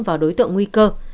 vào đối tượng nguy cơ